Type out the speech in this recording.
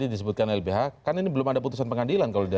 ya kami katakan seperti ini